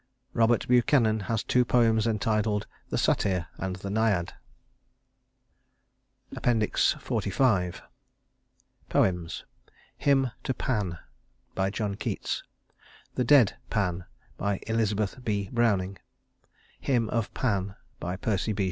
Robert Buchanan has two poems entitled "The Satyr" and "The Naiad." XLV Poems: Hymn to Pan JOHN KEATS The Dead Pan ELIZABETH B. BROWNING Hymn of Pan PERCY B.